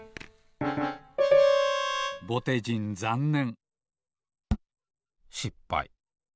ぼてじんざんねんしっぱい。